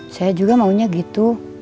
saya juga maunya gitu